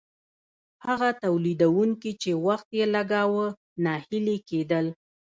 هغه تولیدونکي چې وخت یې لګاوه ناهیلي کیدل.